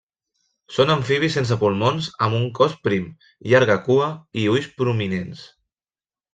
Són amfibis sense pulmons amb un cos prim, llarga cua i ulls prominents.